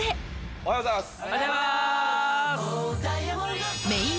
おはようございます。